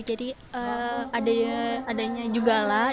jadi adanya juga lah